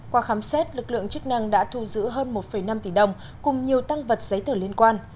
qua khám xét lực lượng chức năng đã thu giữ hơn một năm tỷ đồng cùng nhiều tăng vật giấy tờ liên quan